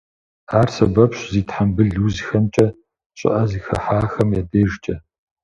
Ар сэбэпщ зи тхьэмбыл узхэмкӏэ, щӏыӏэ зыхыхьахэм я дежкӏэ.